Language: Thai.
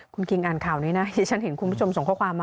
คุณคิงอ่านข่าวนี้นะที่ฉันเห็นคุณผู้ชมส่งข้อความมา